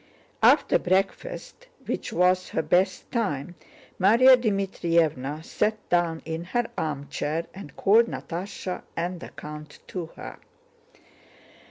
After breakfast, which was her best time, Márya Dmítrievna sat down in her armchair and called Natásha and the count to her.